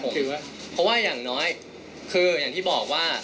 เพราะว่าอย่างน้อยคืออย่างที่บอกว่า